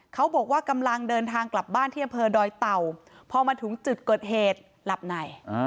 เขาบอกว่ากำลังเดินทางกลับบ้านที่อำเภอดอยเต่าพอมาถึงจุดเกิดเหตุหลับใน